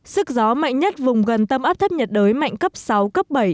sức gió mạnh nhất vùng gần tâm áp thấp nhiệt đới mạnh cấp sáu cấp bảy